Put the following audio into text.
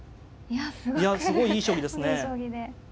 いやすごいいい将棋ですね。